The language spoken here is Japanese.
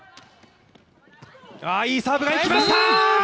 いいサーブがいきました！